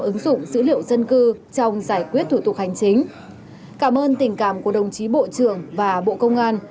ứng dụng dữ liệu dân cư trong giải quyết thủ tục hành chính cảm ơn tình cảm của đồng chí bộ trưởng và bộ công an